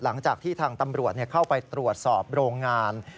หลังจากที่ทางตำรวจเข้าไปตรวจสอบโรงงาน